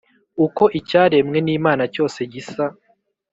uko icyaremwe n Imana cyose gisa